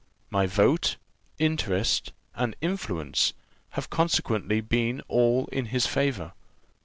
My vote, interest, and influence, have consequently been all in his favour.